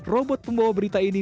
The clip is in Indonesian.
robot pembawa berita ini